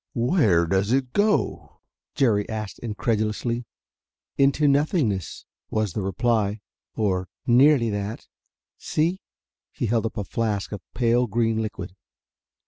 "Where does it go?" Jerry asked incredulously. "Into nothingness," was the reply. "Or nearly that!" "See?" He held up a flask of pale green liquid.